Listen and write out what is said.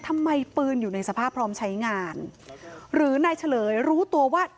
ทำไมปืนอยู่ในสภาพพร้อมใช้งานหรือนายเฉลยรู้ตัวว่า